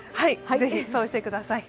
ぜひそうしてください。